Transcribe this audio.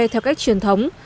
theo cách truyền thống